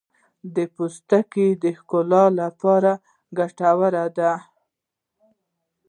مالټې د پوستکي د ښکلا لپاره ګټورې دي.